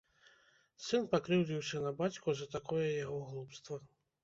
Сын пакрыўдзіўся на бацьку за такое яго глупства.